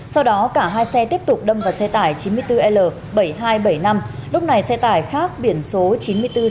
sau đó cả hai xe tiếp tục đâm vào xe tải chín mươi bốn l bảy nghìn hai trăm bảy mươi năm lúc này xe tải khác biển số chín mươi bốn c ba nghìn ba trăm bốn mươi bảy